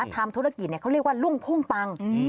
ทำธุรกิจเขาเรียกว่ารุ่งพุ่งปัง